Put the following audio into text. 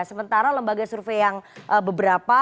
sementara lembaga survei yang beberapa